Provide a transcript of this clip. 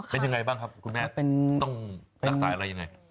อ่อเป็นอย่างไรบ้างต้องรักษาอะไรงี้